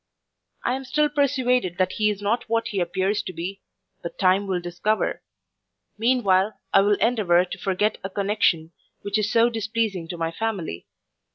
I am still persuaded that he is not what he appears to be: but time will discover mean while I will endeavour to forget a connexion, which is so displeasing to my family.